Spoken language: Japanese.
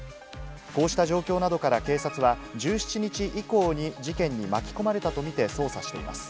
こうした状況などから警察は、１７日以降に事件に巻き込まれたと見て捜査しています。